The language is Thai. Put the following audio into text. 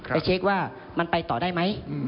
ไปเช็คว่ามันไปต่อได้ไหม